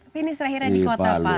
finish terakhirnya di kota pak